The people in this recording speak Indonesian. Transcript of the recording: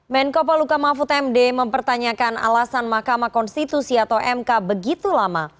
menko paluka mahfud md mempertanyakan alasan mahkamah konstitusi atau mk begitu lama